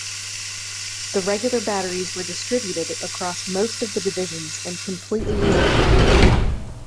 The regular batteries were distributed across most of the divisions and completely renumbered.